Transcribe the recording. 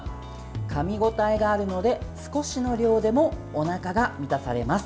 かみ応えがあるので少しの量でもおなかが満たされます。